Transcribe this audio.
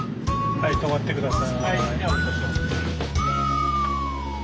はい止まって下さい。